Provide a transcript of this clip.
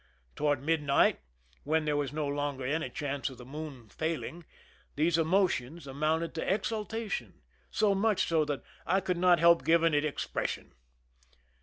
Toward midnight, when there was no longer any chance of the moon failing, these emotions amounted to exultation, so much so that I could not help giving it expression.